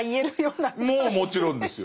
もうもちろんですよ。